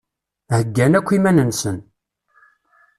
Heggan akk iman-nsen.